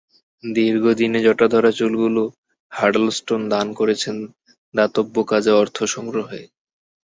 দীর্ঘ দিনে জটা ধরা চুলগুলো হাডলস্টোন দান করেছেন দাতব্যকাজে অর্থ সংগ্রহে।